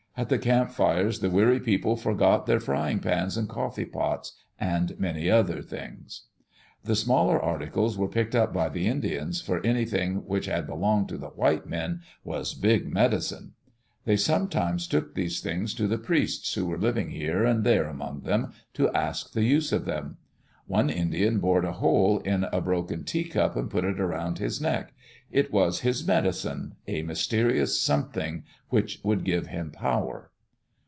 At the campfires the weary people forgot their frying pans and coffee pots and many other things. The smaller articles were picked up by the Indians, for Digitized by VjOOQ IC THE OREGON TRAIL anything which had belonged to the white men was "big medicine." They sometimes took these things to the priests who were living here and there among them, to ask the use of them. One Indian bored a hole in a broken teacup and put it around his neck. It was his "medicine" — a Mysterious Something which would give him power.